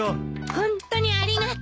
ホントにありがとう！